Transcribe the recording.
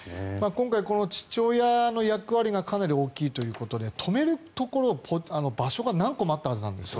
今回、父親の役割がかなり大きいということで止めるところ、場所が何個もあったはずなんです。